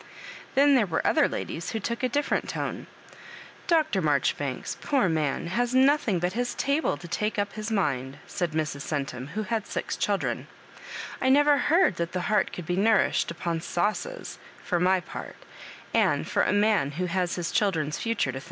Then there were other ladies who took a different tone. " Dr. Marjoribanks, poor man, has nothing but his table to take up his mmd," said Mrs. Oentum, who had six children ;" I never heard that the heart could be nourished upon sauces, for my part ; and for a man who has his children's fu ture to.